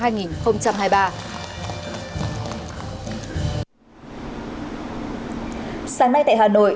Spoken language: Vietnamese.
sáng nay tại hà nội